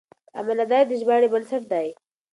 امانتداري د ژباړې بنسټ دی.